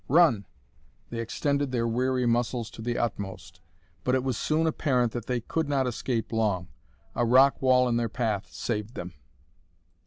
"Run!" They extended their weary muscles to the utmost, but it was soon apparent that they could not escape long. A rock wall in their path saved them.